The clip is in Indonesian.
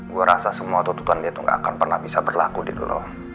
gue rasa semua tuduhan dia tuh gak akan pernah bisa berlaku di lo